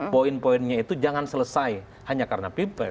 poin poinnya itu jangan selesai hanya karena pilpres